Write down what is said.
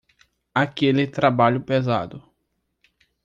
Aquele trabalho pesado